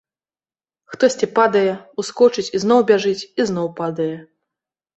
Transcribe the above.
Хтосьці падае, ускочыць і зноў бяжыць і зноў падае.